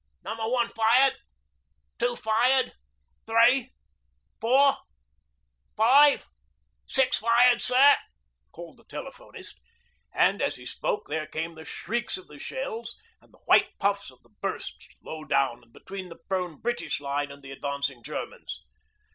'Number One fired. Two fired. Three, Four, Five, Six fired, sir,' called the telephonist, and as he spoke there came the shrieks of the shells, and the white puffs of the bursts low down and between the prone British line and the advancing Germans.